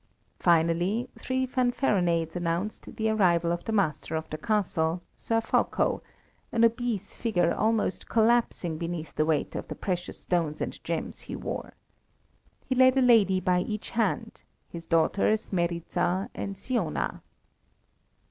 Finally, three fanfaronades announced the arrival of the master of the castle, Sir Fulko, an obese figure almost collapsing beneath the weight of the precious stones and gems he wore. He led a lady by each hand, his daughters Meryza and Siona.